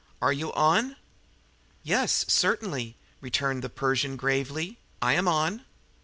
Are you on?" "Yes, certainly," returned the Persian gravely. "I am on!"